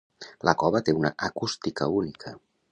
La cova té una acústica única.